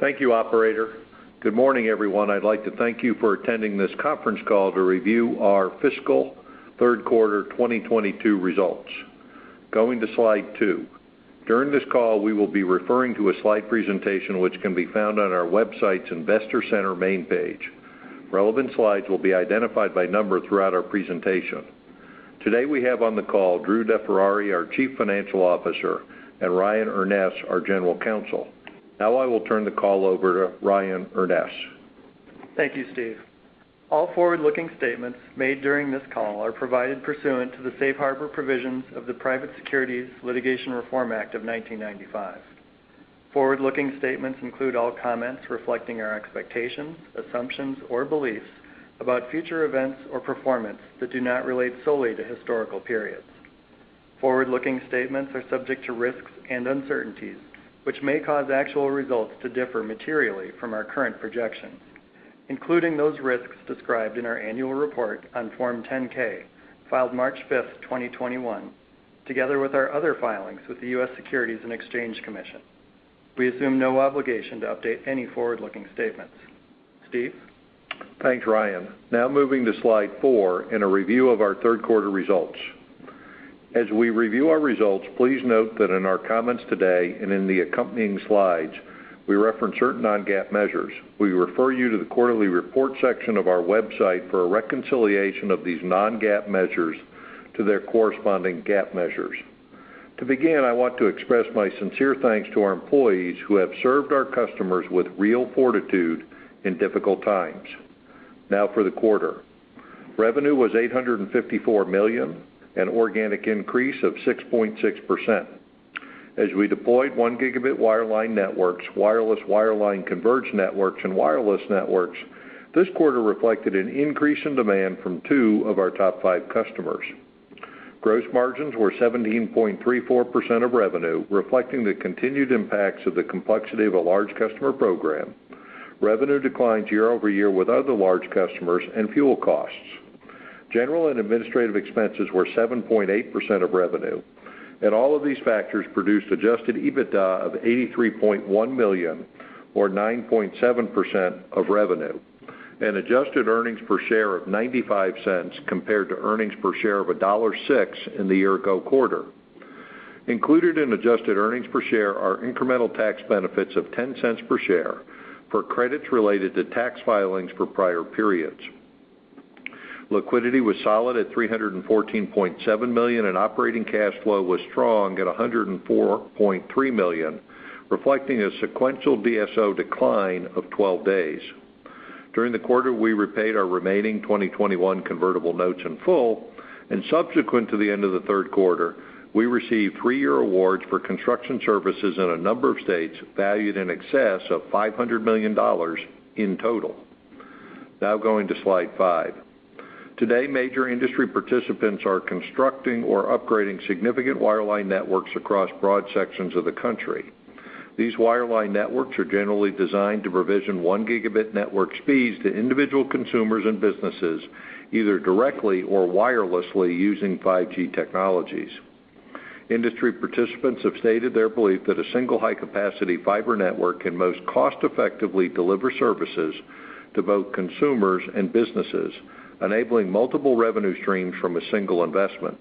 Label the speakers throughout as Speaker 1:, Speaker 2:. Speaker 1: Thank you, operator. Good morning, everyone. I'd like to thank you for attending this conference call to review our fiscal third quarter 2022 results. Going to slide two. During this call, we will be referring to a slide presentation which can be found on our website's investor center main page. Relevant slides will be identified by number throughout our presentation. Today, we have on the call Drew DeFerrari, our Chief Financial Officer, and Ryan Urness, our General Counsel. Now, I will turn the call over to Ryan Urness.
Speaker 2: Thank you, Steve. All forward-looking statements made during this call are provided pursuant to the safe harbor provisions of the Private Securities Litigation Reform Act of 1995. Forward-looking statements include all comments reflecting our expectations, assumptions, or beliefs about future events or performance that do not relate solely to historical periods. Forward-looking statements are subject to risks and uncertainties, which may cause actual results to differ materially from our current projections, including those risks described in our annual report on Form 10-K filed March 5th, 2021, together with our other filings with the U.S. Securities and Exchange Commission. We assume no obligation to update any forward-looking statements. Steve.
Speaker 1: Thanks, Ryan. Now moving to slide four in a review of our third quarter results. As we review our results, please note that in our comments today and in the accompanying slides, we reference certain non-GAAP measures. We refer you to the quarterly report section of our website for a reconciliation of these non-GAAP measures to their corresponding GAAP measures. To begin, I want to express my sincere thanks to our employees who have served our customers with real fortitude in difficult times. Now for the quarter. Revenue was $854 million, an organic increase of 6.6%. As we deployed 1 Gb wireline networks, wireless wireline converged networks, and wireless networks, this quarter reflected an increase in demand from two of our top five customers. Gross margins were 17.34% of revenue, reflecting the continued impacts of the complexity of a large customer program, revenue declines year-over-year with other large customers, and fuel costs. General and administrative expenses were 7.8% of revenue, and all of these factors produced adjusted EBITDA of $83.1 million, or 9.7% of revenue, and adjusted earnings per share of $0.95 compared to earnings per share of $1.06 in the year ago quarter. Included in adjusted earnings per share are incremental tax benefits of $0.10 per share for credits related to tax filings for prior periods. Liquidity was solid at $314.7 million, and operating cash flow was strong at $104.3 million, reflecting a sequential DSO decline of 12 days. During the quarter, we repaid our remaining 2021 convertible notes in full, and subsequent to the end of the third quarter, we received three-year awards for construction services in a number of states valued in excess of $500 million in total. Now, going to slide five. Today, major industry participants are constructing or upgrading significant wireline networks across broad sections of the country. These wireline networks are generally designed to provision 1 Gb network speeds to individual consumers and businesses, either directly or wirelessly using 5G technologies. Industry participants have stated their belief that a single high-capacity fiber network can most cost-effectively deliver services to both consumers and businesses, enabling multiple revenue streams from a single investment.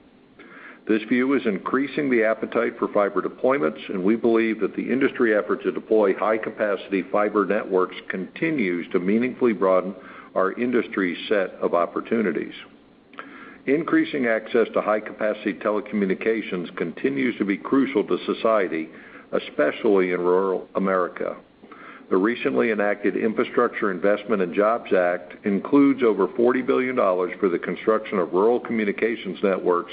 Speaker 1: This view is increasing the appetite for fiber deployments, and we believe that the industry effort to deploy high-capacity fiber networks continues to meaningfully broaden our industry set of opportunities. Increasing access to high-capacity telecommunications continues to be crucial to society, especially in rural America. The recently enacted Infrastructure Investment and Jobs Act includes over $40 billion for the construction of rural communications networks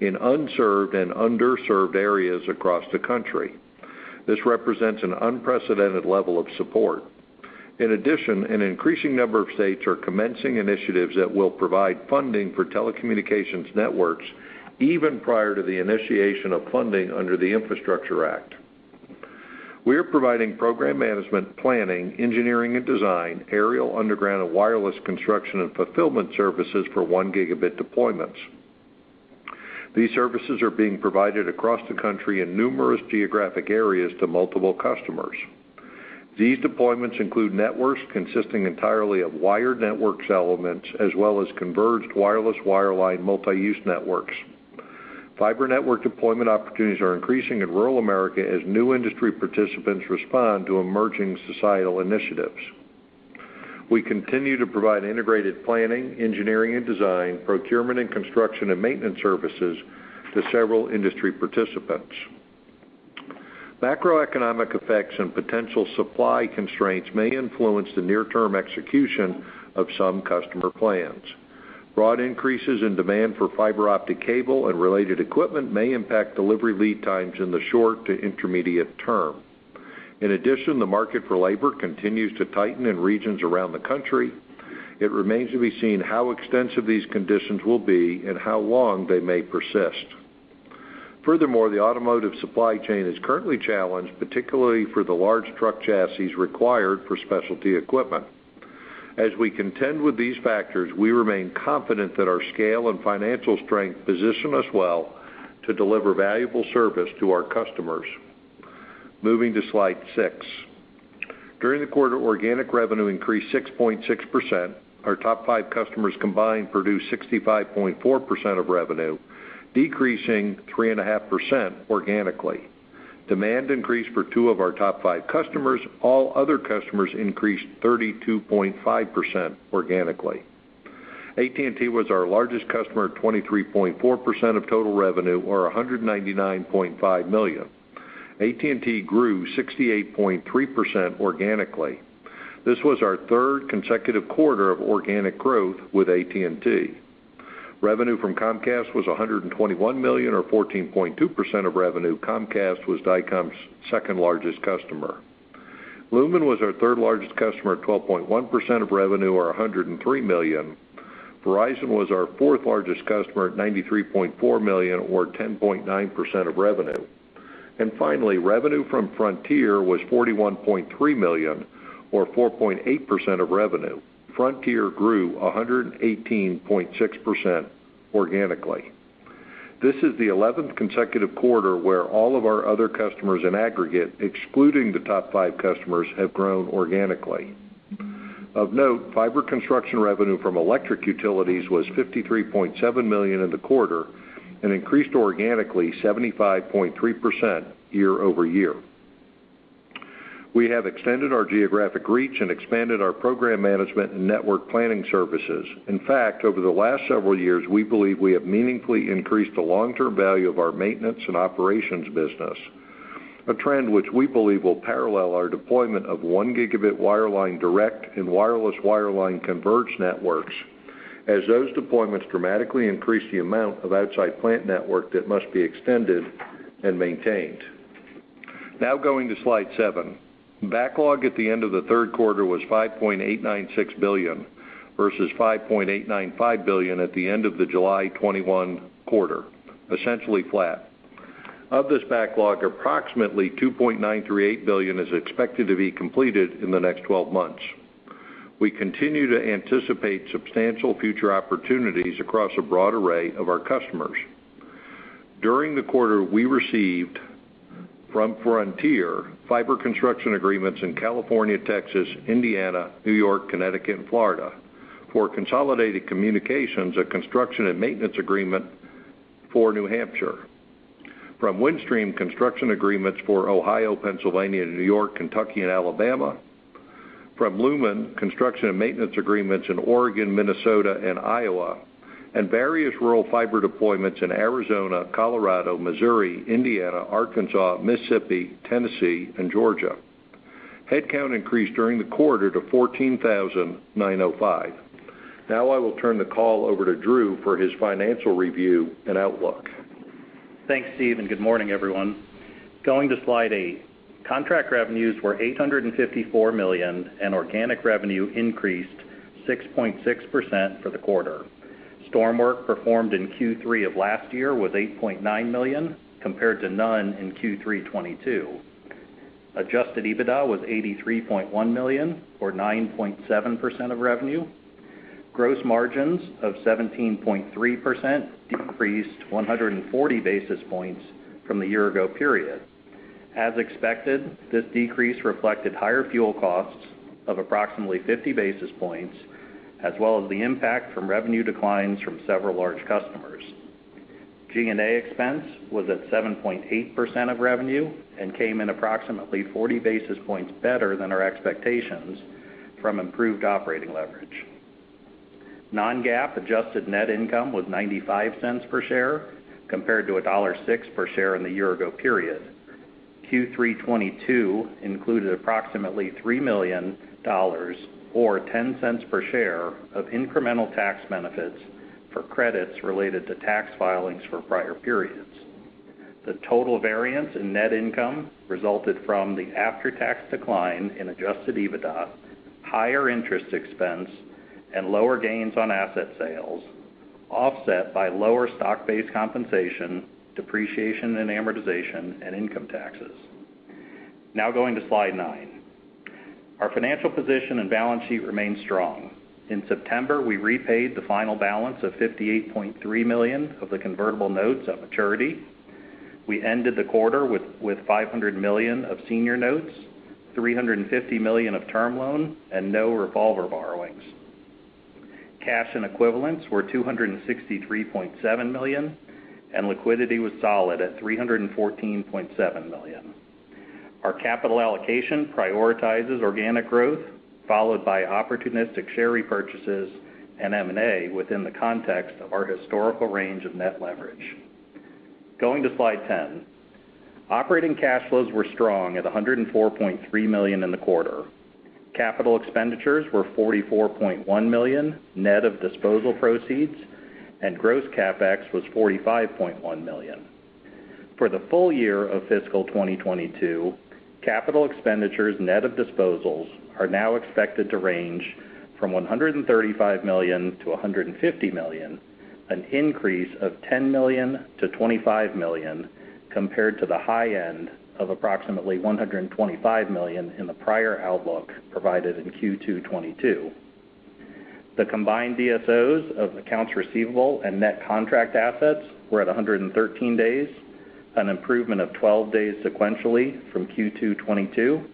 Speaker 1: in unserved and underserved areas across the country. This represents an unprecedented level of support. In addition, an increasing number of states are commencing initiatives that will provide funding for telecommunications networks even prior to the initiation of funding under the Infrastructure Act. We are providing program management, planning, engineering and design, aerial, underground, and wireless construction and fulfillment services for 1 Gb deployments. These services are being provided across the country in numerous geographic areas to multiple customers. These deployments include networks consisting entirely of wired network elements as well as converged wireless wireline multi-use networks. Fiber network deployment opportunities are increasing in rural America as new industry participants respond to emerging societal initiatives. We continue to provide integrated planning, engineering and design, procurement and construction, and maintenance services to several industry participants. Macroeconomic effects and potential supply constraints may influence the near-term execution of some customer plans. Broad increases in demand for fiber optic cable and related equipment may impact delivery lead times in the short to intermediate term. In addition, the market for labor continues to tighten in regions around the country. It remains to be seen how extensive these conditions will be and how long they may persist. Furthermore, the automotive supply chain is currently challenged, particularly for the large truck chassis required for specialty equipment. As we contend with these factors, we remain confident that our scale and financial strength position us well to deliver valuable service to our customers. Moving to slide six. During the quarter, organic revenue increased 6.6%. Our top five customers combined produced 65.4% of revenue, decreasing 3.5% organically. Demand increased for two of our top five customers. All other customers increased 32.5% organically. AT&T was our largest customer at 23.4% of total revenue, or $199.5 million. AT&T grew 68.3% organically. This was our third consecutive quarter of organic growth with AT&T. Revenue from Comcast was $121 million, or 14.2% of revenue. Comcast was Dycom's second-largest customer. Lumen was our third-largest customer at 12.1% of revenue, or $103 million. Verizon was our fourth-largest customer at $93.4 million, or 10.9% of revenue. Finally, revenue from Frontier was $41.3 million, or 4.8% of revenue. Frontier grew 118.6% organically. This is the 11th consecutive quarter where all of our other customers in aggregate, excluding the top five customers, have grown organically. Of note, fiber construction revenue from electric utilities was $53.7 million in the quarter, and increased organically 75.3% year-over-year. We have extended our geographic reach and expanded our program management and network planning services. In fact, over the last several years, we believe we have meaningfully increased the long-term value of our maintenance and operations business, a trend which we believe will parallel our deployment of 1 Gb wireline direct and wireless wireline converged networks as those deployments dramatically increase the amount of outside plant network that must be extended and maintained. Now going to slide seven. Backlog at the end of the third quarter was $5.896 billion versus $5.895 billion at the end of the July 2021 quarter, essentially flat. Of this backlog, approximately $2.938 billion is expected to be completed in the next 12 months. We continue to anticipate substantial future opportunities across a broad array of our customers. During the quarter, we received from Frontier fiber construction agreements in California, Texas, Indiana, New York, Connecticut, and Florida. For Consolidated Communications, a construction and maintenance agreement for New Hampshire. From Windstream, construction agreements for Ohio, Pennsylvania, New York, Kentucky, and Alabama. From Lumen, construction and maintenance agreements in Oregon, Minnesota, and Iowa, and various rural fiber deployments in Arizona, Colorado, Missouri, Indiana, Arkansas, Mississippi, Tennessee, and Georgia. Headcount increased during the quarter to 14,905. Now I will turn the call over to Drew for his financial review and outlook.
Speaker 3: Thanks, Steve, and good morning, everyone. Going to Slide eight. Contract revenues were $854 million, and organic revenue increased 6.6% for the quarter. Storm work performed in Q3 of last year was $8.9 million, compared to none in Q3 2022. Adjusted EBITDA was $83.1 million, or 9.7% of revenue. Gross margins of 17.3% decreased 140 basis points from the year ago period. As expected, this decrease reflected higher fuel costs of approximately 50 basis points, as well as the impact from revenue declines from several large customers. G&A expense was at 7.8% of revenue and came in approximately 40 basis points better than our expectations from improved operating leverage. Non-GAAP adjusted net income was $0.95 per share compared to $1.06 per share in the year-ago period. Q3 2022 included approximately $3 million or $0.10 per share of incremental tax benefits for credits related to tax filings for prior periods. The total variance in net income resulted from the after-tax decline in adjusted EBITDA, higher interest expense, and lower gains on asset sales, offset by lower stock-based compensation, depreciation and amortization, and income taxes. Now going to slide nine. Our financial position and balance sheet remain strong. In September, we repaid the final balance of $58.3 million of the convertible notes at maturity. We ended the quarter with $500 million of senior notes, $350 million of term loan, and no revolver borrowings. Cash and equivalents were $263.7 million, and liquidity was solid at $314.7 million. Our capital allocation prioritizes organic growth, followed by opportunistic share repurchases and M&A within the context of our historical range of net leverage. Going to slide ten. Operating cash flows were strong at $104.3 million in the quarter. Capital expenditures were $44.1 million, net of disposal proceeds, and gross CapEx was $45.1 million. For the full year of fiscal 2022, capital expenditures net of disposals are now expected to range from $135 million-$150 million, an increase of $10 million-$25 million compared to the high end of approximately $125 million in the prior outlook provided in Q2 2022. The combined DSOs of accounts receivable and net contract assets were at 113 days, an improvement of 12 days sequentially from Q2 2022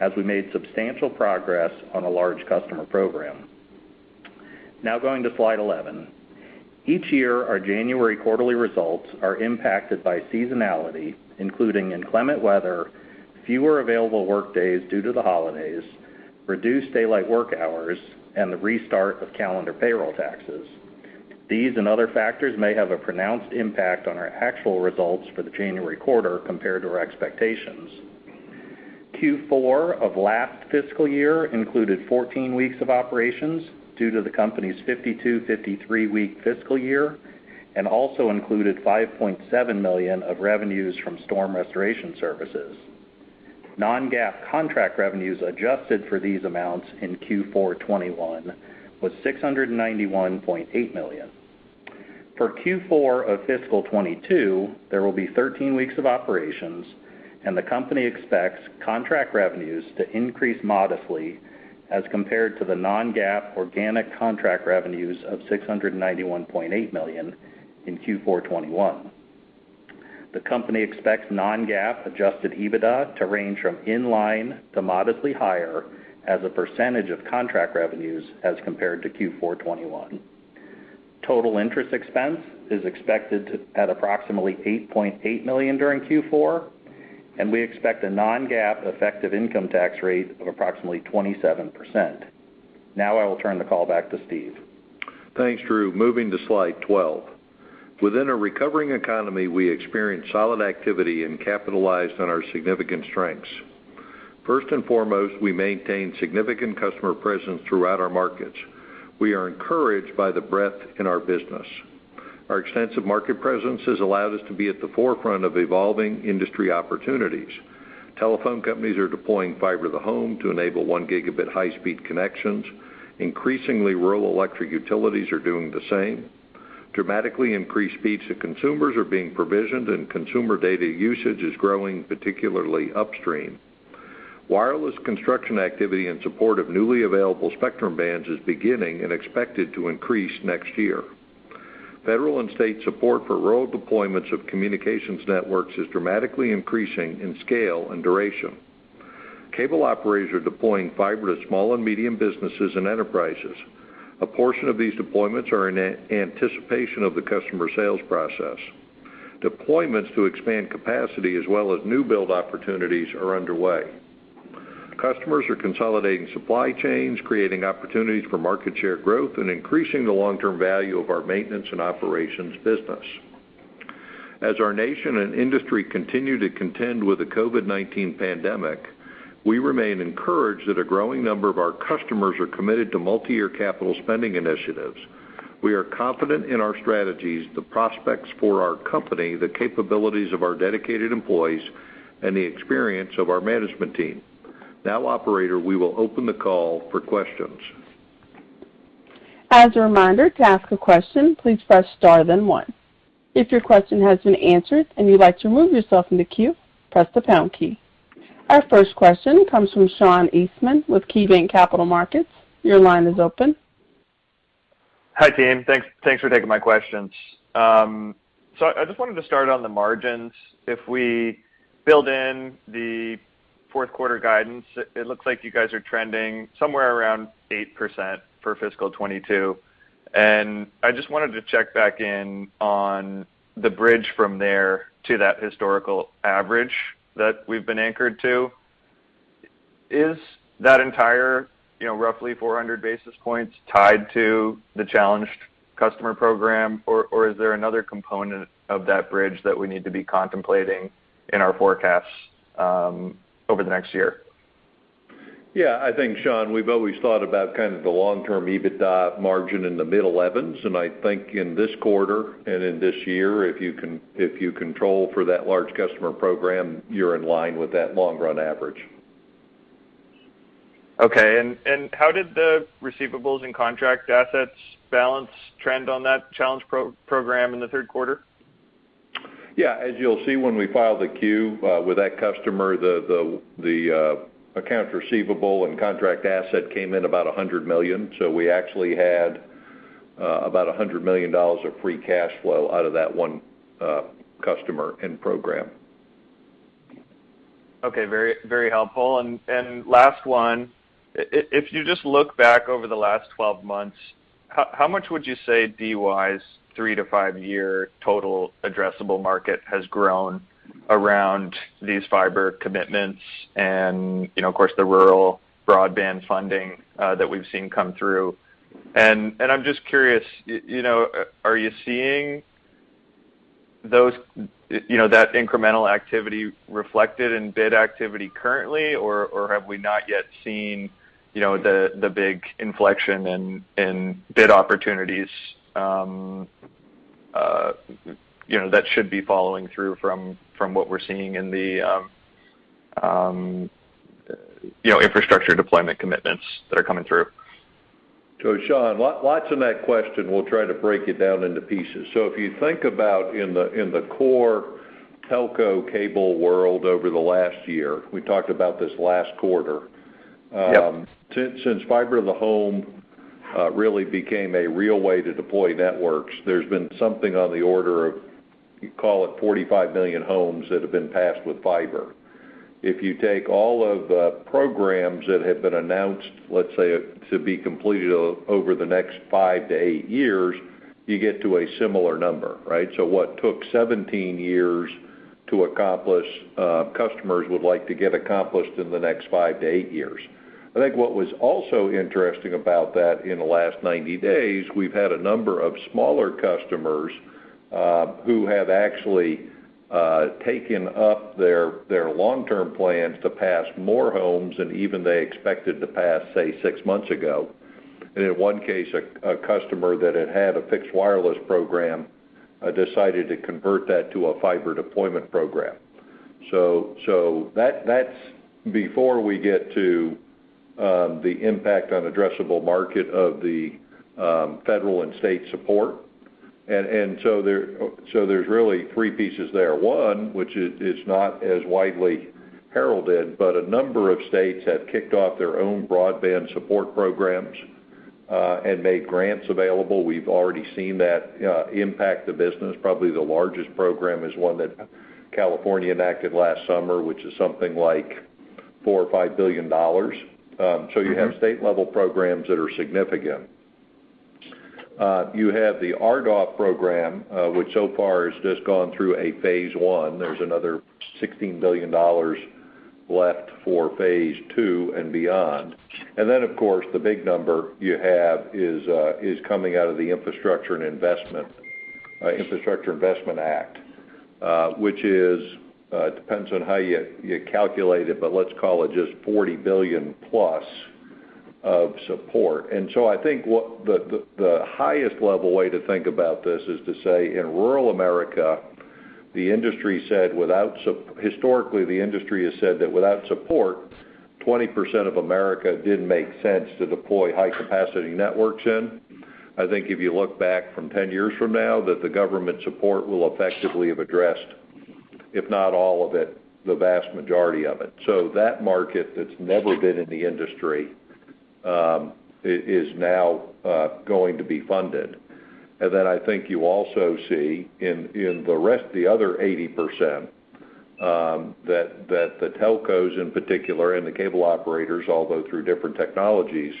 Speaker 3: as we made substantial progress on a large customer program. Now going to slide 11. Each year, our January quarterly results are impacted by seasonality, including inclement weather, fewer available workdays due to the holidays, reduced daylight work hours, and the restart of calendar payroll taxes. These and other factors may have a pronounced impact on our actual results for the January quarter compared to our expectations. Q4 of last fiscal year included 14 weeks of operations due to the company's 52-, 53-week fiscal year, and also included $5.7 million of revenues from storm restoration services. Non-GAAP contract revenues adjusted for these amounts in Q4 2021 was $691.8 million. For Q4 of fiscal 2022, there will be 13 weeks of operations, and the company expects contract revenues to increase modestly as compared to the non-GAAP organic contract revenues of $691.8 million in Q4 2021. The company expects non-GAAP adjusted EBITDA to range from in line to modestly higher as a percentage of contract revenues as compared to Q4 2021. Total interest expense is expected at approximately $8.8 million during Q4, and we expect a non-GAAP effective income tax rate of approximately 27%. Now I will turn the call back to Steve.
Speaker 1: Thanks, Drew. Moving to slide 12. Within a recovering economy, we experienced solid activity and capitalized on our significant strengths. First and foremost, we maintain significant customer presence throughout our markets. We are encouraged by the breadth in our business. Our extensive market presence has allowed us to be at the forefront of evolving industry opportunities. Telephone companies are deploying fiber to the home to enable 1 Gb high-speed connections. Increasingly, rural electric utilities are doing the same. Dramatically increased speeds to consumers are being provisioned, and consumer data usage is growing, particularly upstream. Wireless construction activity in support of newly available spectrum bands is beginning and expected to increase next year. Federal and state support for rural deployments of communications networks is dramatically increasing in scale and duration. Cable operators are deploying fiber to small and medium businesses and enterprises. A portion of these deployments are in anticipation of the customer sales process. Deployments to expand capacity as well as new build opportunities are underway. Customers are consolidating supply chains, creating opportunities for market share growth, and increasing the long-term value of our maintenance and operations business. As our nation and industry continue to contend with the COVID-19 pandemic, we remain encouraged that a growing number of our customers are committed to multiyear capital spending initiatives. We are confident in our strategies, the prospects for our company, the capabilities of our dedicated employees, and the experience of our management team. Now, operator, we will open the call for questions.
Speaker 4: As a reminder, to ask a question, please press star then one. If your question has been answered and you'd like to remove yourself from the queue, press the pound key. Our first question comes from Sean Eastman with KeyBanc Capital Markets. Your line is open.
Speaker 5: Hi, team. Thanks for taking my questions. I just wanted to start on the margins. If we build in the fourth quarter guidance, it looks like you guys are trending somewhere around 8% for fiscal 2022. I just wanted to check back in on the bridge from there to that historical average that we've been anchored to. Is that entire, you know, roughly 400 basis points tied to the challenged customer program, or is there another component of that bridge that we need to be contemplating in our forecasts over the next year?
Speaker 1: Yeah. I think, Sean, we've always thought about kind of the long-term EBITDA margin in the mid-11s. I think in this quarter and in this year, if you control for that large customer program, you're in line with that long run average.
Speaker 5: Okay. How did the receivables and contract assets balance trend on that challenge program in the third quarter?
Speaker 1: Yeah. As you'll see when we file the Q with that customer, the accounts receivable and contract asset came in about $100 million. We actually had about $100 million of free cash flow out of that one customer and program.
Speaker 5: Okay. Very, very helpful. Last one. If you just look back over the last 12 months, how much would you say DY's three- to five-year total addressable market has grown around these fiber commitments and, you know, of course, the rural broadband funding that we've seen come through? I'm just curious, you know, are you seeing those, you know, that incremental activity reflected in bid activity currently, or have we not yet seen, you know, the big inflection in bid opportunities, you know, that should be following through from what we're seeing in the, you know, infrastructure deployment commitments that are coming through.
Speaker 1: Sean, lots in that question. We'll try to break it down into pieces. If you think about in the core telco cable world over the last year, we talked about this last quarter.
Speaker 5: Yep.
Speaker 1: Since fiber to the home really became a real way to deploy networks, there's been something on the order of, call it 45 million homes that have been passed with fiber. If you take all of the programs that have been announced, let's say, to be completed over the next five-eight years, you get to a similar number, right? What took 17 years to accomplish, customers would like to get accomplished in the next five-eight years. I think what was also interesting about that in the last 90 days, we've had a number of smaller customers who have actually taken up their long-term plans to pass more homes than even they expected to pass, say, six months ago. In one case, a customer that had a fixed wireless program decided to convert that to a fiber deployment program. That is before we get to the impact on addressable market of the federal and state support. So there's really three pieces there. One, which is not as widely heralded, but a number of states have kicked off their own broadband support programs and made grants available. We've already seen that impact the business. Probably the largest program is one that California enacted last summer, which is something like $4 billion or $5 billion. You have state level programs that are significant. You have the RDOF program, which so far has just gone through a phase one. There's another $16 billion left for phase two and beyond. Of course, the big number you have is coming out of the Infrastructure Investment Act, which depends on how you calculate it, but let's call it just $40+ billion of support. I think the highest-level way to think about this is to say, in rural America, the industry said, historically, the industry has said that without support, 20% of America didn't make sense to deploy high-capacity networks in. I think if you look back from 10 years from now, the government support will effectively have addressed, if not all of it, the vast majority of it. That market that's never been in the industry is now going to be funded. I think you also see in the rest, the other 80%, that the telcos in particular and the cable operators, although through different technologies,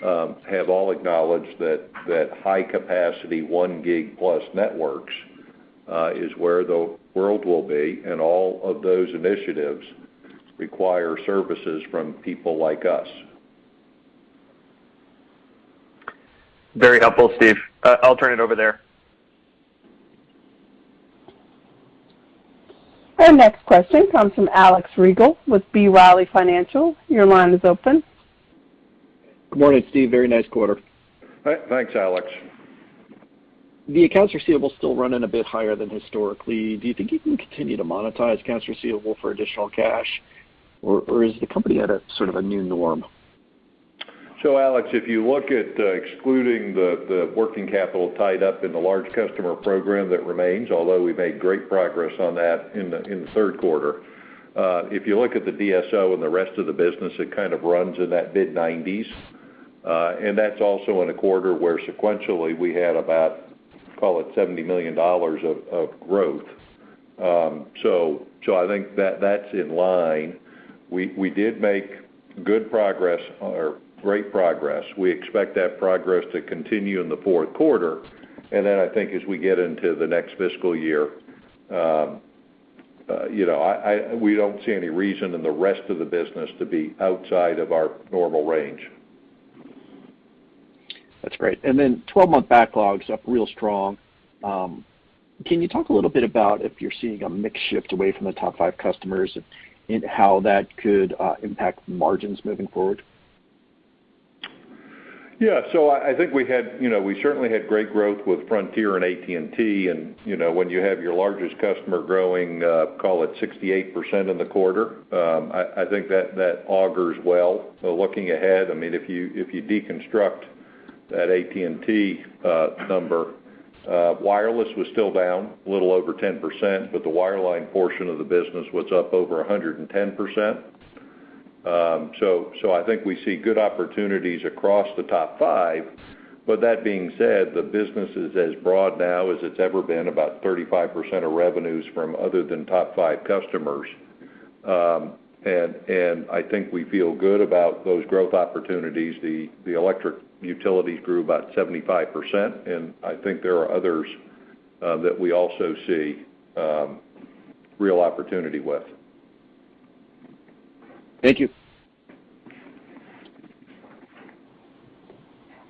Speaker 1: have all acknowledged that high-capacity 1+ Gb networks is where the world will be. All of those initiatives require services from people like us.
Speaker 5: Very helpful, Steve. I'll turn it over there.
Speaker 4: Our next question comes from Alex Rygiel with B. Riley Financial. Your line is open.
Speaker 6: Good morning, Steve, very nice quarter.
Speaker 1: Thanks, Alex.
Speaker 6: The accounts receivable still running a bit higher than historically. Do you think you can continue to monetize accounts receivable for additional cash, or is the company at a sort of a new norm?
Speaker 1: Alex, if you look at excluding the working capital tied up in the large customer program that remains, although we've made great progress on that in the third quarter. If you look at the DSO and the rest of the business, it kind of runs in that mid-90s. That's also in a quarter where sequentially we had about, call it $70 million of growth. I think that's in line. We did make good progress or great progress. We expect that progress to continue in the fourth quarter. Then I think as we get into the next fiscal year, you know, we don't see any reason in the rest of the business to be outside of our normal range.
Speaker 6: That's great. 12-month backlogs up real strong. Can you talk a little bit about if you're seeing a mix shift away from the top five customers and how that could impact margins moving forward?
Speaker 1: Yeah. I think we had, you know, we certainly had great growth with Frontier and AT&T, and you know, when you have your largest customer growing, call it 68% in the quarter, I think that augurs well. Looking ahead, I mean, if you deconstruct that AT&T number, wireless was still down a little over 10%, but the wireline portion of the business was up over 110%. I think we see good opportunities across the top five. That being said, the business is as broad now as it's ever been, about 35% of revenues from other than top five customers, and I think we feel good about those growth opportunities. The electric utilities grew about 75%, and I think there are others that we also see real opportunity with.
Speaker 6: Thank you.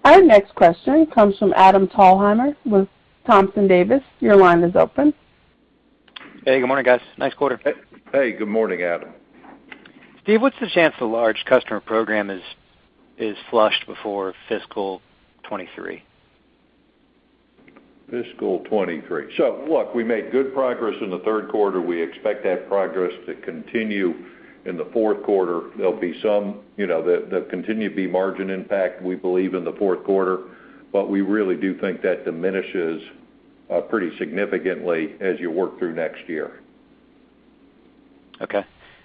Speaker 4: Our next question comes from Adam Thalhimer with Thompson Davis. Your line is open.
Speaker 7: Hey, good morning, guys. Nice quarter.
Speaker 1: Hey. Good morning, Adam.
Speaker 7: Steve, what's the chance the large customer program is launched before fiscal 2023?
Speaker 1: Fiscal 2023. Look, we made good progress in the third quarter. We expect that progress to continue in the fourth quarter. There'll be some, you know, there continue to be margin impact, we believe, in the fourth quarter. We really do think that diminishes pretty significantly as you work through next year.
Speaker 7: Okay.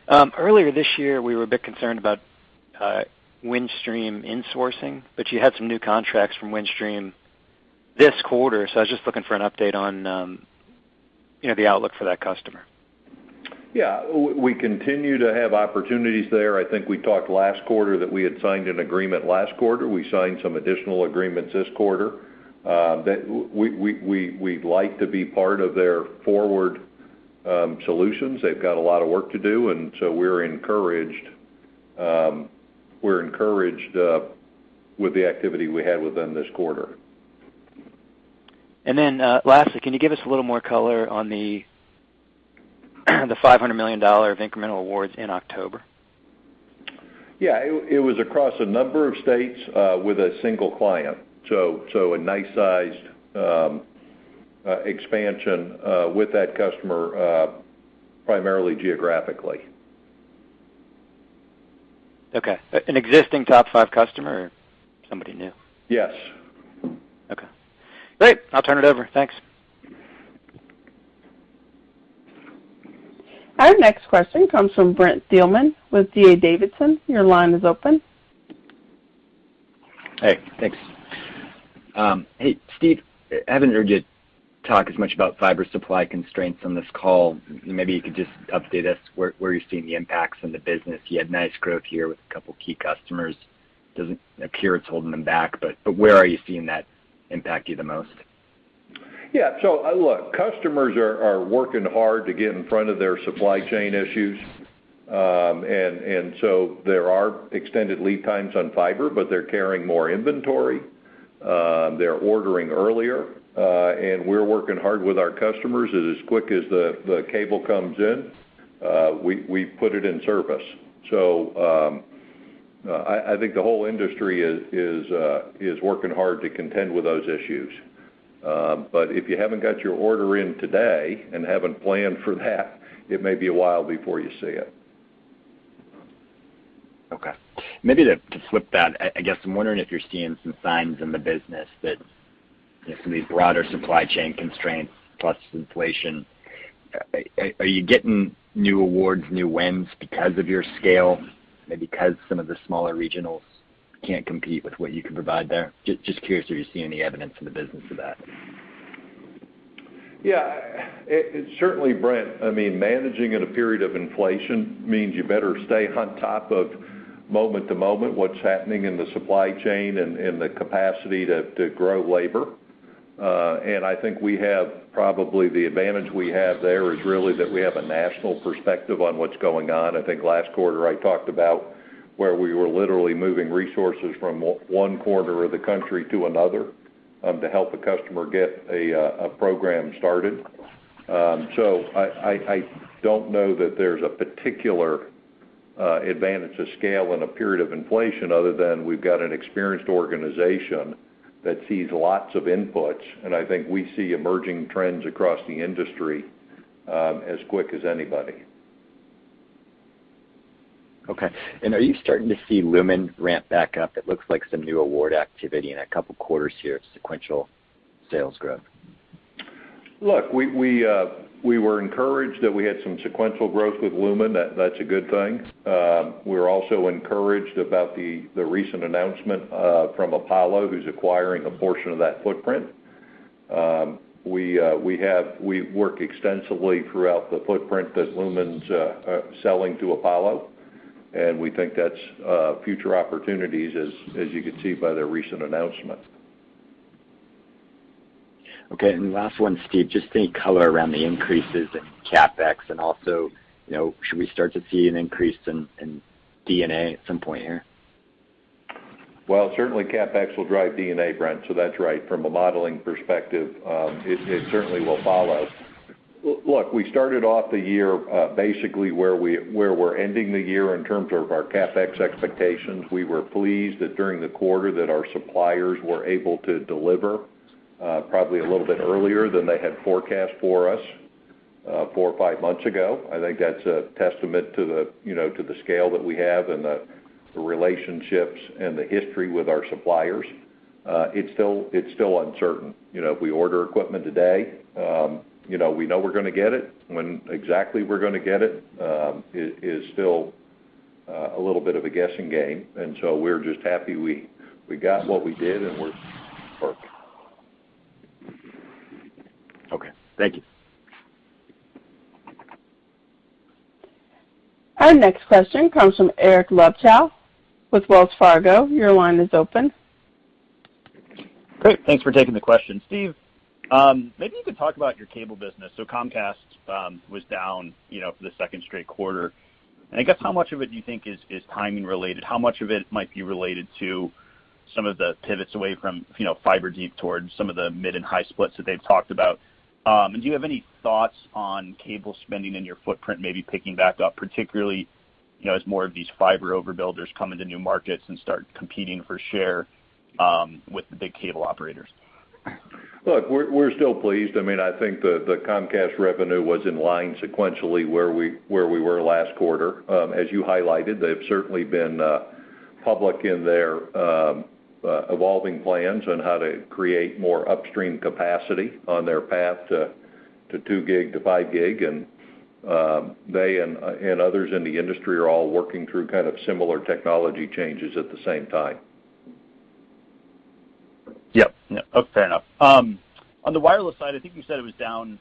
Speaker 7: Earlier this year, we were a bit concerned about Windstream insourcing, but you had some new contracts from Windstream this quarter. I was just looking for an update on, you know, the outlook for that customer.
Speaker 1: Yeah. We continue to have opportunities there. I think we talked last quarter that we had signed an agreement last quarter. We signed some additional agreements this quarter that we'd like to be part of their forward solutions. They've got a lot of work to do, and so we're encouraged with the activity we had with them this quarter.
Speaker 7: Lastly, can you give us a little more color on the $500 million of incremental awards in October?
Speaker 1: Yeah. It was across a number of states with a single client, so a nice sized expansion with that customer, primarily geographically.
Speaker 7: Okay. An existing top five customer or somebody new?
Speaker 1: Yes.
Speaker 7: Okay. Great. I'll turn it over. Thanks.
Speaker 4: Our next question comes from Brent Thielman with D.A. Davidson. Your line is open.
Speaker 8: Hey, thanks. Hey, Steve, I haven't heard you talk as much about fiber supply constraints on this call. Maybe you could just update us where you're seeing the impacts in the business. You had nice growth here with a couple of key customers. Doesn't appear it's holding them back, but where are you seeing that impacting you the most?
Speaker 1: Yeah. Look, customers are working hard to get in front of their supply chain issues. There are extended lead times on fiber, but they're carrying more inventory, they're ordering earlier, and we're working hard with our customers. As quick as the cable comes in, we put it in service. I think the whole industry is working hard to contend with those issues. If you haven't got your order in today and haven't planned for that, it may be a while before you see it.
Speaker 8: Okay. Maybe to flip that, I guess I'm wondering if you're seeing some signs in the business that, you know, some of these broader supply chain constraints plus inflation, are you getting new awards, new wins because of your scale, maybe because some of the smaller regionals can't compete with what you can provide there? Just curious if you're seeing any evidence in the business of that.
Speaker 1: Yeah. It certainly, Brent, I mean, managing in a period of inflation means you better stay on top of moment to moment what's happening in the supply chain and the capacity to grow labor. I think we have probably the advantage we have there is really that we have a national perspective on what's going on. I think last quarter I talked about where we were literally moving resources from one quarter of the country to another to help a customer get a program started. I don't know that there's a particular advantage to scale in a period of inflation other than we've got an experienced organization that sees lots of inputs, and I think we see emerging trends across the industry as quick as anybody.
Speaker 8: Okay. Are you starting to see Lumen ramp back up? It looks like some new award activity in a couple quarters here of sequential sales growth.
Speaker 1: Look, we were encouraged that we had some sequential growth with Lumen. That's a good thing. We're also encouraged about the recent announcement from Apollo, who's acquiring a portion of that footprint. We work extensively throughout the footprint that Lumen's selling to Apollo, and we think that's future opportunities, as you can see by their recent announcement.
Speaker 8: Okay. Last one, Steve, just any color around the increases in CapEx and also, you know, should we start to see an increase in D&A at some point here?
Speaker 1: Well, certainly CapEx will drive D&A, Brent, so that's right. From a modeling perspective, it certainly will follow. Look, we started off the year basically where we're ending the year in terms of our CapEx expectations. We were pleased that during the quarter that our suppliers were able to deliver probably a little bit earlier than they had forecast for us four or five months ago. I think that's a testament to the you know to the scale that we have and the relationships and the history with our suppliers. It's still uncertain. You know, if we order equipment today, you know, we know we're gonna get it. When exactly we're gonna get it is still a little bit of a guessing game. We're just happy we got what we did.
Speaker 8: Okay. Thank you.
Speaker 4: Our next question comes from Eric Luebchow with Wells Fargo. Your line is open.
Speaker 9: Great. Thanks for taking the question. Steve, maybe you could talk about your cable business. Comcast was down, you know, for the second straight quarter. I guess, how much of it do you think is timing related? How much of it might be related to some of the pivots away from, you know, Fiber Deep towards some of the mid-split and high split that they've talked about? Do you have any thoughts on cable spending in your footprint, maybe picking back up, particularly You know, as more of these fiber overbuilders come into new markets and start competing for share with the big cable operators.
Speaker 1: Look, we're still pleased. I mean, I think the Comcast revenue was in line sequentially where we were last quarter. As you highlighted, they've certainly been public in their evolving plans on how to create more upstream capacity on their path to 2 Gb to 5 Gb. They and others in the industry are all working through kind of similar technology changes at the same time.
Speaker 9: Yep. Yeah. Okay, fair enough. On the wireless side, I think you said it was down,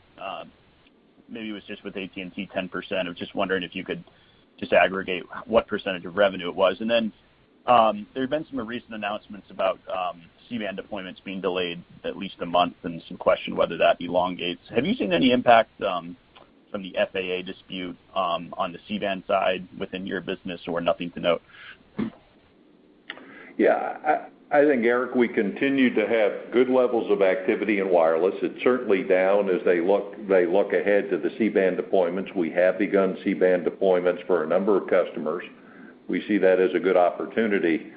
Speaker 9: maybe it was just with AT&T, 10%. I was just wondering if you could just aggregate what percentage of revenue it was. There have been some recent announcements about C-band deployments being delayed at least a month and some question whether that elongates. Have you seen any impact from the FAA dispute on the C-band side within your business, or nothing to note?
Speaker 1: Yeah. I think, Eric, we continue to have good levels of activity in wireless. It's certainly down as they look ahead to the C-band deployments. We have begun C-band deployments for a number of customers. We see that as a good opportunity.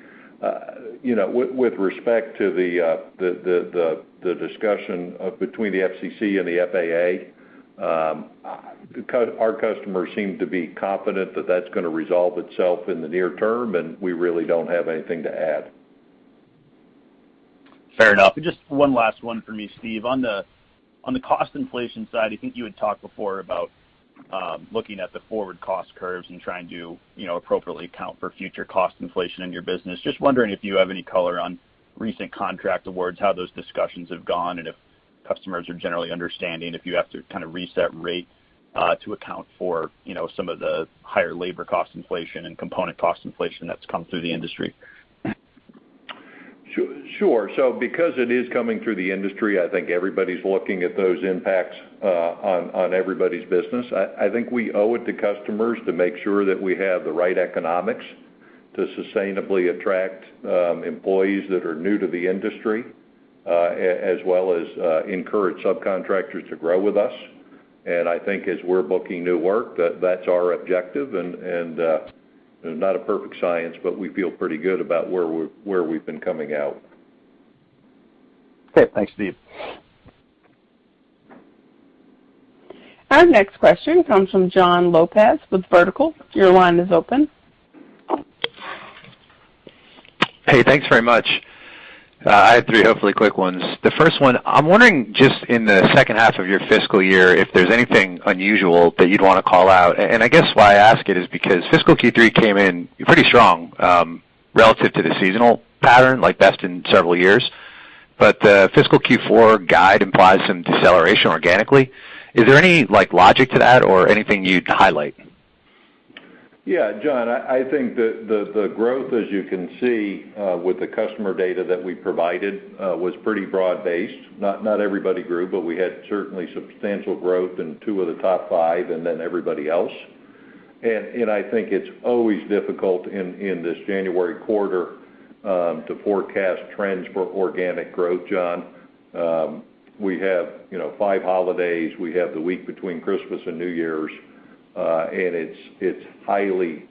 Speaker 1: You know, with respect to the discussion between the FCC and the FAA, our customers seem to be confident that that's gonna resolve itself in the near term, and we really don't have anything to add.
Speaker 9: Fair enough. Just one last one for me, Steve. On the cost inflation side, I think you had talked before about looking at the forward cost curves and trying to, you know, appropriately account for future cost inflation in your business. Just wondering if you have any color on recent contract awards, how those discussions have gone, and if customers are generally understanding if you have to kind of reset rate to account for, you know, some of the higher labor cost inflation and component cost inflation that's come through the industry?
Speaker 1: Sure. Because it is coming through the industry, I think everybody's looking at those impacts on everybody's business. I think we owe it to customers to make sure that we have the right economics to sustainably attract employees that are new to the industry, as well as encourage subcontractors to grow with us. I think as we're booking new work, that's our objective, and not a perfect science, but we feel pretty good about where we've been coming out.
Speaker 9: Okay. Thanks, Steve.
Speaker 4: Our next question comes from Jon Lopez with Vertical. Your line is open.
Speaker 10: Hey, thanks very much. I have three hopefully quick ones. The first one, I'm wondering, just in the second half of your fiscal year, if there's anything unusual that you'd wanna call out. I guess why I ask it is because fiscal Q3 came in pretty strong, relative to the seasonal pattern, like best in several years. The fiscal Q4 guide implies some deceleration organically. Is there any, like, logic to that or anything you'd highlight?
Speaker 1: Yeah. Jon, I think the growth, as you can see, with the customer data that we provided, was pretty broad-based. Not everybody grew, but we had certainly substantial growth in two of the top five and then everybody else. I think it's always difficult in this January quarter to forecast trends for organic growth, Jon. We have, you know, five holidays. We have the week between Christmas and New Year's, and it's highly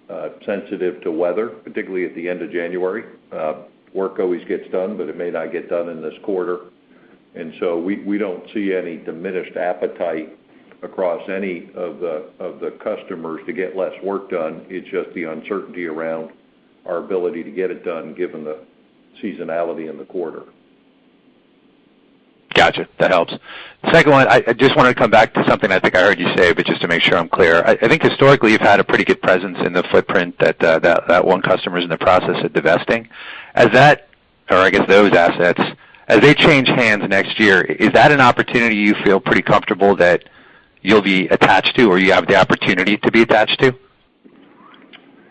Speaker 1: sensitive to weather, particularly at the end of January. Work always gets done, but it may not get done in this quarter. We don't see any diminished appetite across any of the customers to get less work done. It's just the uncertainty around our ability to get it done given the seasonality in the quarter.
Speaker 10: Gotcha. That helps. Second one, I just wanna come back to something I think I heard you say, but just to make sure I'm clear. I think historically you've had a pretty good presence in the footprint that one customer's in the process of divesting. As that, or I guess those assets, as they change hands next year, is that an opportunity you feel pretty comfortable that you'll be attached to or you have the opportunity to be attached to?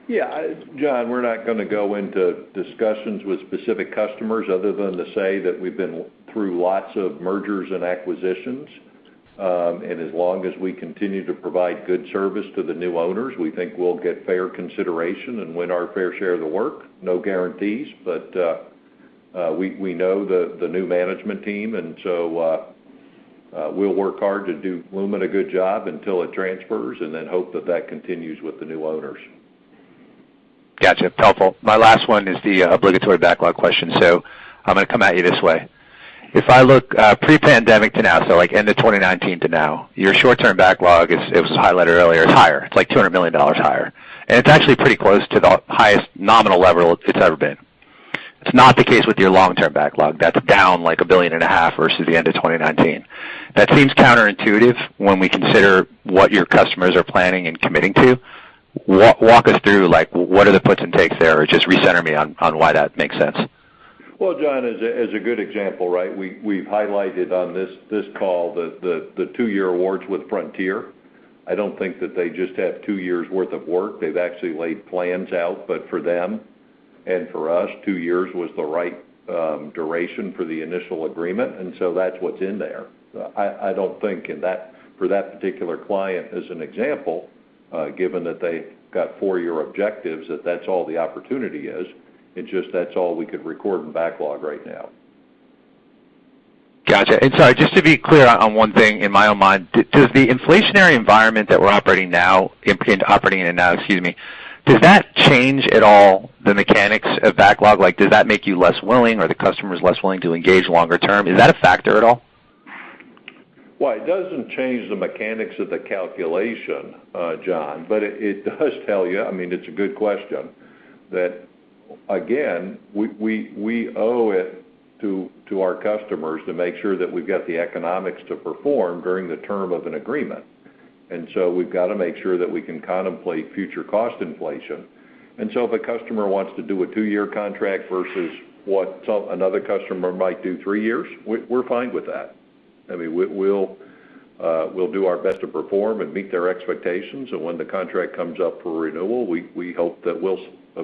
Speaker 1: Yeah. Jon, we're not gonna go into discussions with specific customers other than to say that we've been through lots of mergers and acquisitions. As long as we continue to provide good service to the new owners, we think we'll get fair consideration and win our fair share of the work. No guarantees, we know the new management team, and so we'll work hard to do Lumen a good job until it transfers and then hope that that continues with the new owners.
Speaker 10: Gotcha. Helpful. My last one is the obligatory backlog question, so I'm gonna come at you this way. If I look pre-pandemic to now, so like end of 2019 to now, your short-term backlog is higher. It was highlighted earlier. It's like $200 million higher. It's actually pretty close to the highest nominal level it's ever been. It's not the case with your long-term backlog. That's down like $1.5 billion versus the end of 2019. That seems counterintuitive when we consider what your customers are planning and committing to. Walk us through like what are the puts and takes there or just recenter me on why that makes sense.
Speaker 1: Well, Jon, as a good example, right? We've highlighted on this call the two-year awards with Frontier. I don't think that they just have two years worth of work. They've actually laid plans out, but for them, and for us, two years was the right duration for the initial agreement, and so that's what's in there. I don't think for that particular client as an example, given that they've got four-year objectives, that's all the opportunity is. It's just that's all we could record in backlog right now.
Speaker 10: Gotcha. Sorry, just to be clear on one thing in my own mind, does the inflationary environment that we're operating in now, excuse me, does that change at all the mechanics of backlog? Like, does that make you less willing or the customers less willing to engage longer term? Is that a factor at all?
Speaker 1: Well, it doesn't change the mechanics of the calculation, Jon, but it does tell you, I mean, it's a good question, that again, we owe it to our customers to make sure that we've got the economics to perform during the term of an agreement. We've got to make sure that we can contemplate future cost inflation. If a customer wants to do a two-year contract versus what another customer might do three years, we're fine with that. I mean, we'll do our best to perform and meet their expectations. When the contract comes up for renewal, we hope that we'll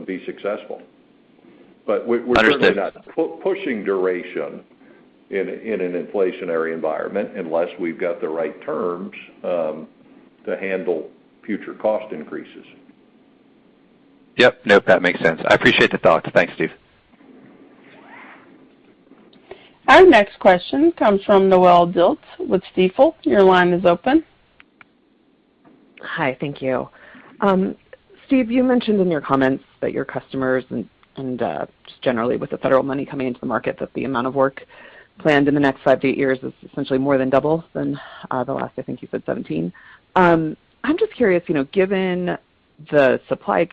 Speaker 1: be successful.
Speaker 10: Understood.
Speaker 1: We're certainly not pushing duration in an inflationary environment unless we've got the right terms to handle future cost increases.
Speaker 10: Yep. Nope, that makes sense. I appreciate the thoughts. Thanks, Steve.
Speaker 4: Our next question comes from Noelle Dilts with Stifel. Your line is open.
Speaker 11: Hi, thank you. Steve, you mentioned in your comments that your customers and just generally with the federal money coming into the market, that the amount of work planned in the next five-eight years is essentially more than double than the last, I think you said 17. I'm just curious, you know, given the supply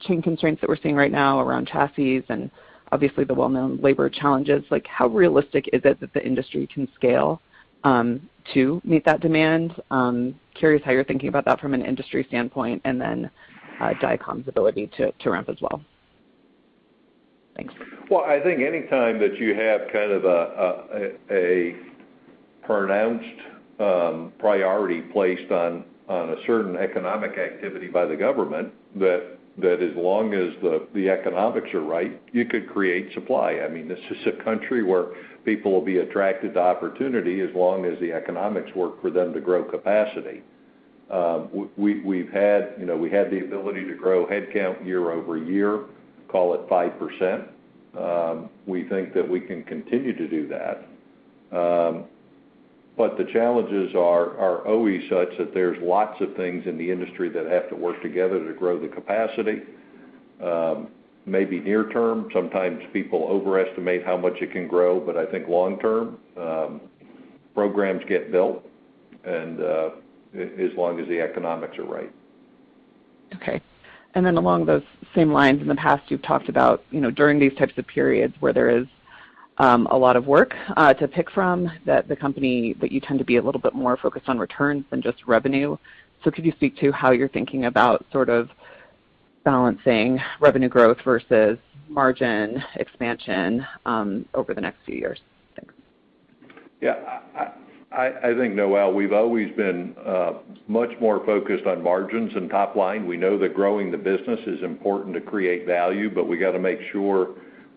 Speaker 11: chain constraints that we're seeing right now around chassis and obviously the well-known labor challenges, like how realistic is it that the industry can scale to meet that demand? Curious how you're thinking about that from an industry standpoint and then Dycom's ability to ramp as well. Thanks.
Speaker 1: Well, I think anytime that you have kind of a pronounced priority placed on a certain economic activity by the government, that as long as the economics are right, you could create supply. I mean, this is a country where people will be attracted to opportunity as long as the economics work for them to grow capacity. We've had, you know, the ability to grow headcount year-over-year, call it 5%. We think that we can continue to do that. The challenges are always such that there's lots of things in the industry that have to work together to grow the capacity. Maybe near term, sometimes people overestimate how much it can grow. I think long term, programs get built and as long as the economics are right.
Speaker 11: Okay. Along those same lines, in the past, you've talked about, you know, during these types of periods where there is a lot of work to pick from that the company, that you tend to be a little bit more focused on returns than just revenue. Could you speak to how you're thinking about sort of balancing revenue growth versus margin expansion over the next few years? Thanks.
Speaker 1: Yeah, I think, Noelle, we've always been much more focused on margins and top line. We know that growing the business is important to create value, but we got to make sure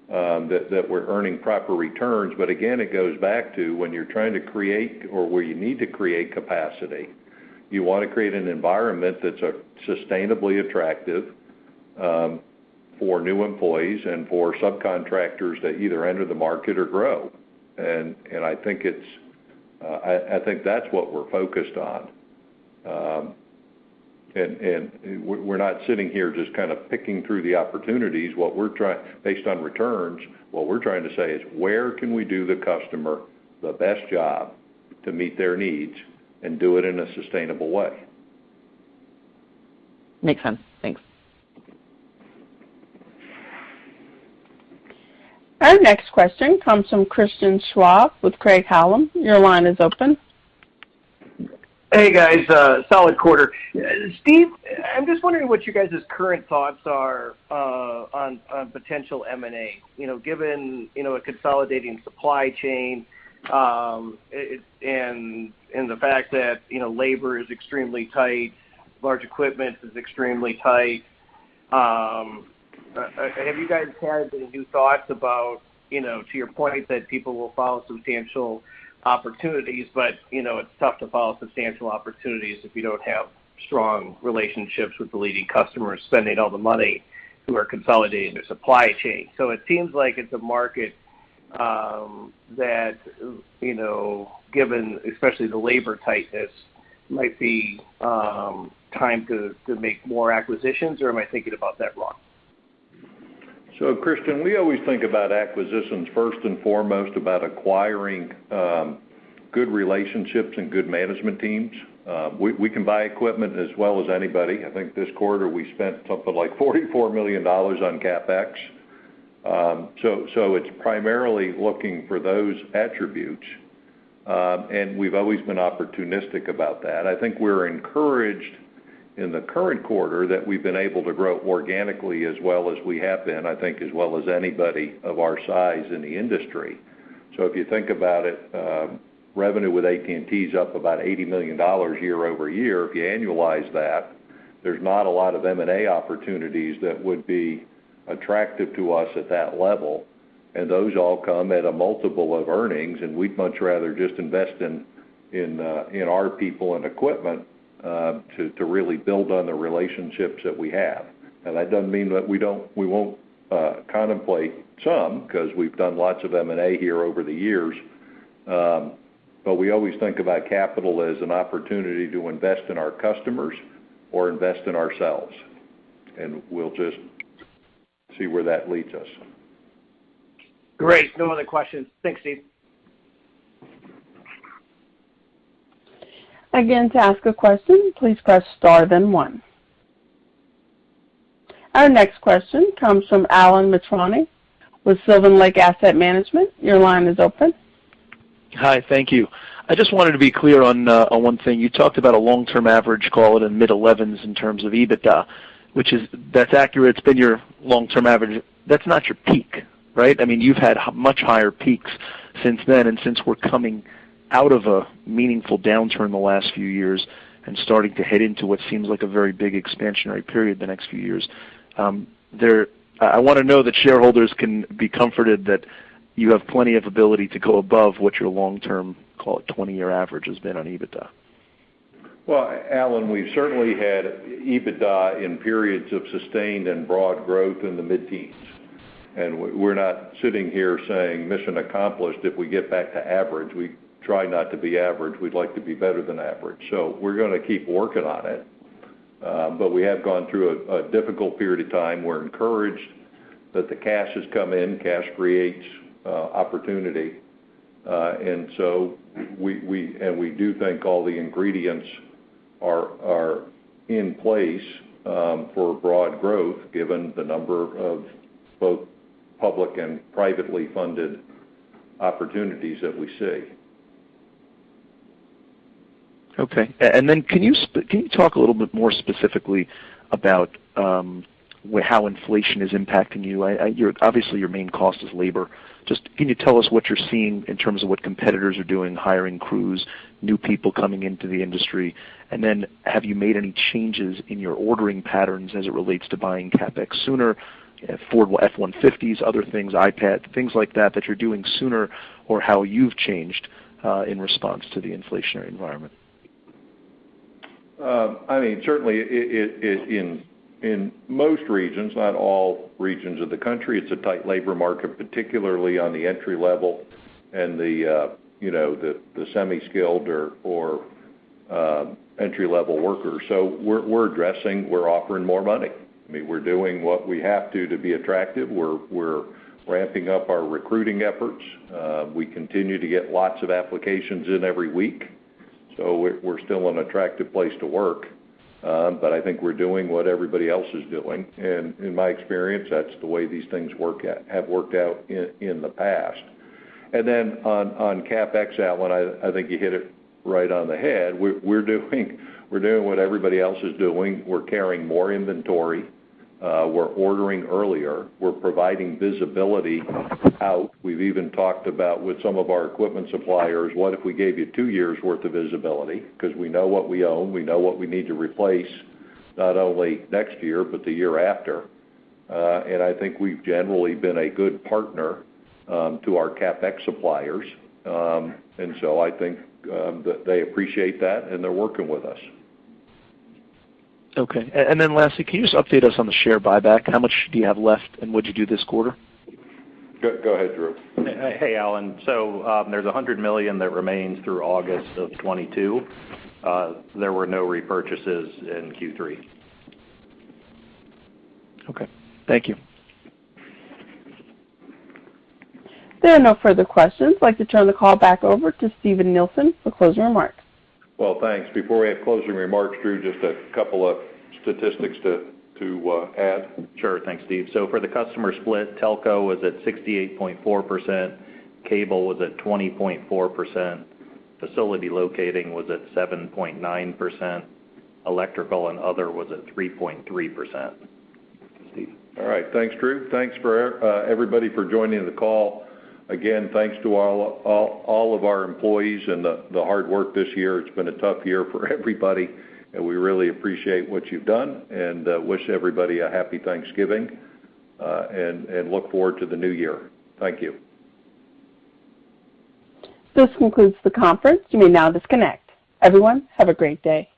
Speaker 1: that we're earning proper returns. Again, it goes back to when you're trying to create or where you need to create capacity, you want to create an environment that's a sustainably attractive for new employees and for subcontractors to either enter the market or grow. I think that's what we're focused on. We're not sitting here just kind of picking through the opportunities. Based on returns, what we're trying to say is, where can we do the customer the best job to meet their needs and do it in a sustainable way?
Speaker 11: Makes sense. Thanks.
Speaker 4: Our next question comes from Christian Schwab with Craig-Hallum. Your line is open.
Speaker 12: Hey, guys, solid quarter. Steve, I'm just wondering what you guys' current thoughts are on potential M&A. You know, given, you know, a consolidating supply chain, and the fact that, you know, labor is extremely tight, large equipment is extremely tight. Have you guys had any new thoughts about, you know, to your point that people will follow substantial opportunities, but, you know, it's tough to follow substantial opportunities if you don't have strong relationships with the leading customers spending all the money who are consolidating their supply chain. It seems like it's a market, that, you know, given especially the labor tightness, might be time to make more acquisitions, or am I thinking about that wrong?
Speaker 1: Christian, we always think about acquisitions first and foremost about acquiring good relationships and good management teams. We can buy equipment as well as anybody. I think this quarter we spent something like $44 million on CapEx. It's primarily looking for those attributes, and we've always been opportunistic about that. I think we're encouraged in the current quarter that we've been able to grow organically as well as we have been, I think, as well as anybody of our size in the industry. If you think about it, revenue with AT&T is up about $80 million year-over-year. If you annualize that, there's not a lot of M&A opportunities that would be attractive to us at that level. Those all come at a multiple of earnings, and we'd much rather just invest in our people and equipment to really build on the relationships that we have. That doesn't mean that we won't contemplate some, 'cause we've done lots of M&A here over the years. We always think about capital as an opportunity to invest in our customers or invest in ourselves. We'll just see where that leads us.
Speaker 12: Great. No other questions. Thanks, Steve.
Speaker 4: Our next question comes from Alan Mitrani with Sylvan Lake Asset Management. Your line is open.
Speaker 13: Hi. Thank you. I just wanted to be clear on one thing. You talked about a long-term average, call it in mid-elevens in terms of EBITDA, which is, that's accurate. It's been your long-term average. That's not your peak, right? I mean, you've had much higher peaks since then and since we're coming out of a meaningful downturn the last few years and starting to head into what seems like a very big expansionary period the next few years. I wanna know that shareholders can be comforted that you have plenty of ability to go above what your long-term, call it, 20-year average has been on EBITDA.
Speaker 1: Well, Alan, we've certainly had EBITDA in periods of sustained and broad growth in the mid-teens. We're not sitting here saying, "Mission accomplished," if we get back to average. We try not to be average. We'd like to be better than average. We're gonna keep working on it. We have gone through a difficult period of time. We're encouraged that the cash has come in. Cash creates opportunity. We do think all the ingredients are in place for broad growth, given the number of both public and privately funded opportunities that we see.
Speaker 13: Can you talk a little bit more specifically about how inflation is impacting you? You're obviously your main cost is labor. Just can you tell us what you're seeing in terms of what competitors are doing, hiring crews, new people coming into the industry? Have you made any changes in your ordering patterns as it relates to buying CapEx sooner, affordable F-150s, other things, other things like that, things like that that you're doing sooner, or how you've changed in response to the inflationary environment?
Speaker 1: I mean, certainly in most regions, not all regions of the country, it's a tight labor market, particularly on the entry-level and the, you know, the semi-skilled or entry-level workers. We're addressing. We're offering more money. I mean, we're doing what we have to be attractive. We're ramping up our recruiting efforts. We continue to get lots of applications in every week, so we're still an attractive place to work. But I think we're doing what everybody else is doing. In my experience, that's the way these things have worked out in the past. Then on CapEx, Alan, I think you hit it right on the head. We're doing what everybody else is doing. We're carrying more inventory. We're ordering earlier. We're providing visibility out. We've even talked about with some of our equipment suppliers, "What if we gave you two years' worth of visibility?" 'Cause we know what we own, we know what we need to replace, not only next year, but the year after. I think we've generally been a good partner to our CapEx suppliers. I think that they appreciate that and they're working with us.
Speaker 13: Okay. Lastly, can you just update us on the share buyback? How much do you have left, and what'd you do this quarter?
Speaker 1: Go ahead, Drew.
Speaker 3: Hey, Alan. There's $100 million that remains through August of 2022. There were no repurchases in Q3.
Speaker 13: Okay. Thank you.
Speaker 4: There are no further questions. I'd like to turn the call back over to Steven Nielsen for closing remarks.
Speaker 1: Well, thanks. Before we have closing remarks, Drew, just a couple of statistics to add.
Speaker 3: Sure. Thanks, Steve. For the customer split, telco was at 68.4%, cable was at 20.4%, facility locating was at 7.9%, electrical and other was at 3.3%. Steve.
Speaker 1: All right. Thanks, Drew. Thanks to everybody for joining the call. Again, thanks to all of our employees and the hard work this year. It's been a tough year for everybody, and we really appreciate what you've done and wish everybody a happy Thanksgiving, and look forward to the new year. Thank you.
Speaker 4: This concludes the conference. You may now disconnect. Everyone, have a great day.